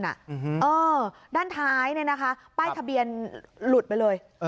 เออด้านท้ายเนี่ยนะคะป้ายทะเบียนหลุดไปเลย